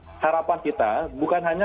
karena harapan kita bukan hanya